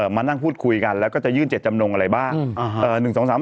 มานั่งพูดคุยกันแล้วก็จะยื่นเจ็ดจำนงอะไรบ้าง